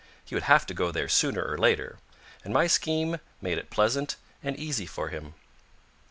He would have to go there sooner or later. And my scheme made it pleasant and easy for him.